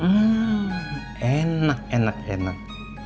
mmm enak enak enak